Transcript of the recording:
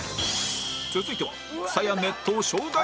続いては